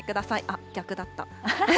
あっ、逆だった。